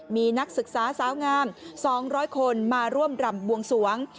มีนักศึกษาสาวงาม๒๐๐คนมาร่วมรำบวงสวง